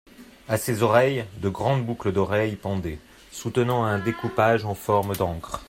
À ses oreilles, de grandes boucles d'oreilles pendaient, soutenant un découpage en forme d'ancre.